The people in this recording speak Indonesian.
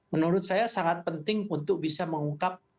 menurut saya sangat penting untuk bisa mengungkap